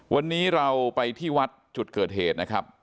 วันนี้เราไปที่วัดจุดเกิดเหตุนะครับ